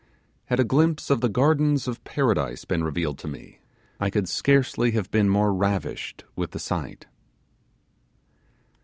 Had a glimpse of the gardens of Paradise been revealed to me, I could scarcely have been more ravished with the sight.